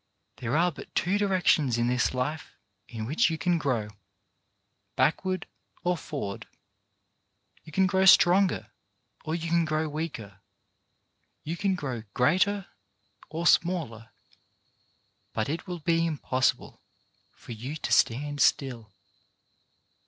There are but two direc tions in this life in which you can grow ; backward or forward. You can grow stronger, or you can grow weaker; you can grow greater, or smaller; but it will be impossible for you to stand still.